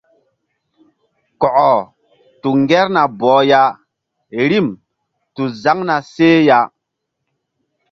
Kɔkɔ tu ŋgerna bɔh ya rim tu zaŋ na seh ya.